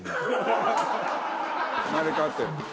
生まれ変わってる。